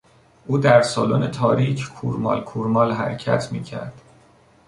او در سالن تاریک کورمال کورمال حرکت میکرد.